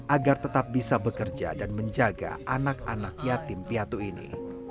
agar tetap bisa bekerja dan menjaga anak anak yatim piatu ini